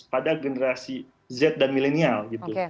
pada generasi z dan milenial gitu